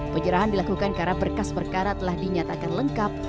penyerahan dilakukan karena berkas perkara telah dinyatakan lengkap